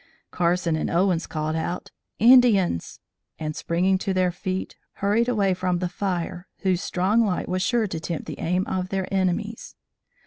Carson and Owens called out "Indians!" and springing to their feet, hurried away from the fire whose strong light was sure to tempt the aim of their enemies.